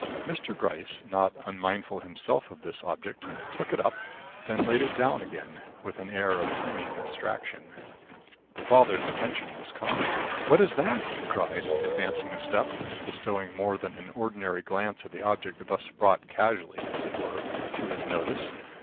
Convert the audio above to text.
Mr. Gryce, not unmindful himself of this object, took it up, then laid it down again, with an air of seeming abstraction. The father's attention was caught. "What is that?" he cried, advancing a step and bestowing more than an ordinary glance at the object thus brought casually, as it were, to his notice.